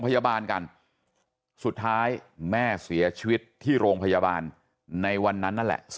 พยาบาลกันสุดท้ายแม่เสียชีวิตที่โรงพยาบาลในวันนั้นนั่นแหละ